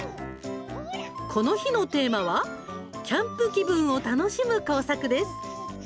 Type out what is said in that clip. この日のテーマはキャンプ気分を楽しむ工作です。